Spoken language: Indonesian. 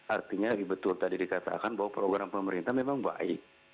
artinya betul tadi dikatakan bahwa program pemerintah memang baik